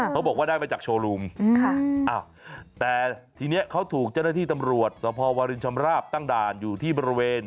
เขาบอกว่าได้มาจากโชว์รูมแต่ทีนี้เขาถูกเจ้าหน้าที่ตำรวจสภวรินชำราบตั้งด่านอยู่ที่บริเวณ